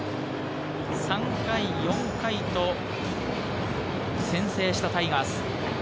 ３回、４回と先制したタイガース。